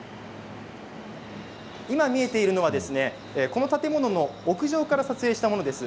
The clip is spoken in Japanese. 今見えているのはこの建物を屋上から撮影したものです。